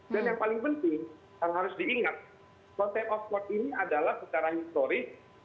dan yang paling penting yang harus diingat contempt of court ini adalah secara historis